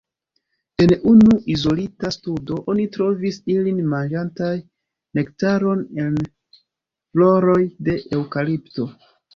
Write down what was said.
En unu izolita studo oni trovis ilin manĝantaj nektaron el floroj de eŭkalipto.